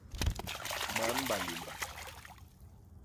Man balémba.